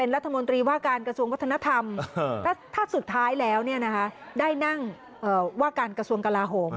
รัฐมนตรีว่าการกระทรวงวัฒนธรรมและถ้าสุดท้ายแล้วได้นั่งว่าการกระทรวงกลาโหม